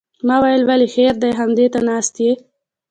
ما ویل ولې خیر دی همدې ته ناست یې.